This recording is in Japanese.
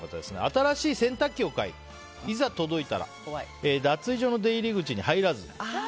新しい洗濯機を買いいざ届いたら脱衣所の出入り口に入らず。